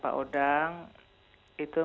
pak odang itu